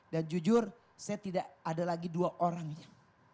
dan jujur saya tidak ada lagi dua orangnya